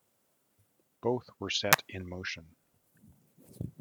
Both were set in motion.